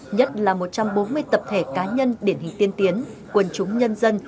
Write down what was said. nhất là một trăm bốn mươi tập thể cá nhân điển hình tiên tiến quân chúng nhân dân